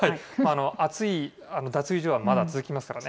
暑い脱衣所は、まだ続きますからね。